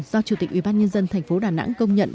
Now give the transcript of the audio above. do chủ tịch ủy ban nhân dân tp đà nẵng công nhận